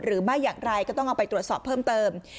หรือไม่อย่างไรก็ต้องเอาไปตรวจสอบเพิ่มเติม